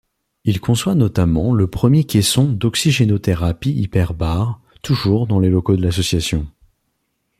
Il conçoit notamment le premier caisson d’oxygénothérapie hyperbare, toujours dans les locaux de l’association.